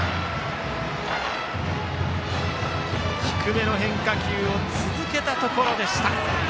低めの変化球を続けたところでした。